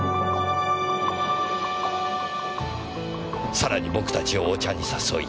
さらに僕たちをお茶に誘い。